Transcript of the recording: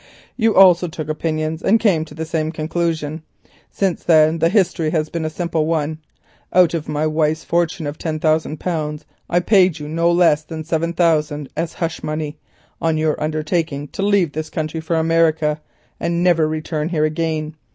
You also took opinions and came to the same conclusion. Since then the history has been a simple one. Out of my wife's fortune of ten thousand pounds, I paid you no less than seven thousand as hush money, on your undertaking to leave this country for America, and never return here again.